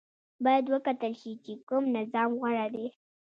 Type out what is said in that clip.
باید وکتل شي چې کوم نظام غوره دی.